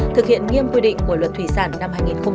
thực hiện nghiêm quy định của luật thủy sản năm hai nghìn một mươi bảy